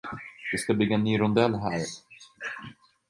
De ska bygga en ny rondell har jag hört.